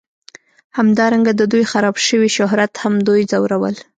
همدارنګه د دوی خراب شوي شهرت هم دوی ځورول